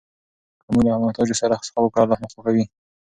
که موږ له محتاجو سره سخا وکړو، الله مو خوښوي.